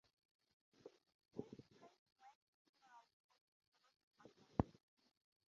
His plates went into several ornithological works.